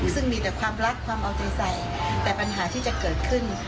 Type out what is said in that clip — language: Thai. ซึ่งมีแต่ความรักความเอาใจใส่แต่ปัญหาที่จะเกิดขึ้น